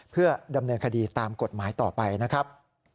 เพื่อดำเนินคดีตามกฎหมายต่อไปนะครับ